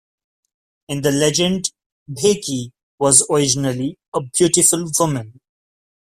In the legend, Bheki was originally a beautiful woman.